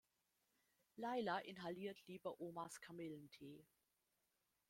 Laila inhaliert lieber Omas Kamillentee.